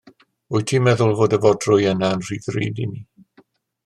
Wyt ti'n meddwl fod y fodrwy yna yn rhy ddrud i ni?